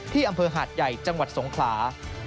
อำเภอหาดใหญ่จังหวัดสงขลา